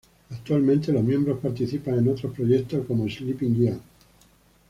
Actualmente los miembros participan en otros proyectos como Sleeping Giant.